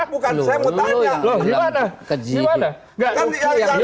bukan saya mau tanya